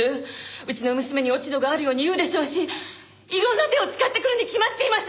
うちの娘に落ち度があるように言うでしょうしいろんな手を使ってくるに決まっています。